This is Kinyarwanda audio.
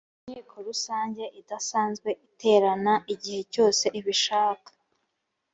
inteko rusange idasanzwe iterana igihe cyose ibishak